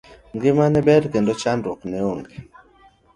Ngima ne ber kendo chandruok ne onge.